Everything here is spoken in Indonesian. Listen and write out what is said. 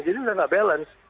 jadi sudah tidak balance